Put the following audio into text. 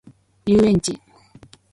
遊園地